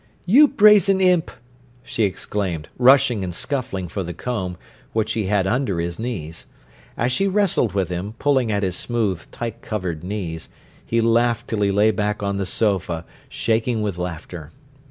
"You brazen imp!" she exclaimed, rushing and scuffling for the comb, which he had under his knees. As she wrestled with him, pulling at his smooth, tight covered knees, he laughed till he lay back on the sofa shaking with laughter.